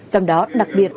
trong đó đặc biệt